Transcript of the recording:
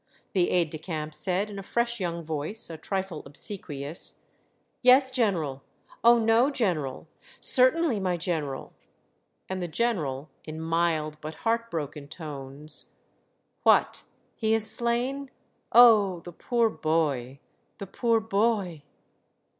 The aide de camp said, in a fresh young voice, a trifle obsequious, —" Yes, general !— oh, no ! general — certainly, my general." And the general, in mild, but heart broken tones, — "What! he is slain? Oh! the poor boy, the poor boy